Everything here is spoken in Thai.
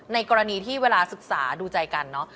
ในกรณีที่เวลาศึกษาดูใจกันเนอะ